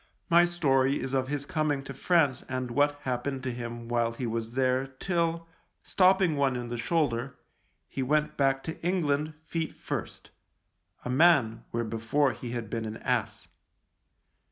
My story is of his coming to France and what happened to him while he was there till, stopping one in the shoulder, he went back to England feet first — a man, where before he had been an ass.